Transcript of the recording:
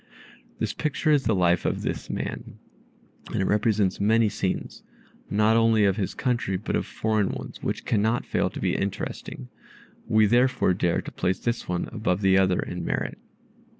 This picture is the life of this man, and it represents many scenes, not only of his country but of foreign ones, which cannot fail to be interesting. We therefore dare to place this one above the other in merit."